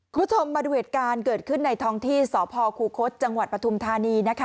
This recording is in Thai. คุณผู้ชมมาดูเหตุการณ์เกิดขึ้นในท้องที่สพคูคศจังหวัดปฐุมธานีนะคะ